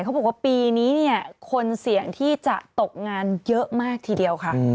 เขาบอกว่าปีนี้เนี่ยคนเสี่ยงที่จะตกงานเยอะมากทีเดียวค่ะ